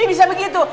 iya bisa begitu